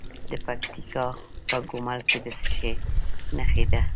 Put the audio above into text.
د پکتیکا په ګومل کې د څه شي نښې دي؟